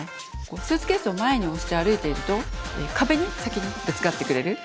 スーツケースを前に押して歩いていると壁に先にぶつかってくれる。